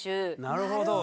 なるほど。